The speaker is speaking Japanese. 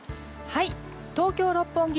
東京・六本木